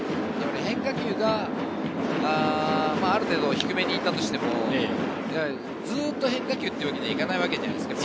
変化球がある程度低めにいったとしても、ずっと変化球というわけにはいかないわけです。